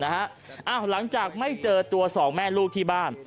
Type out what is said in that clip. หลังจากไม่เจอตัวสองแม่ลูกที่บ้าน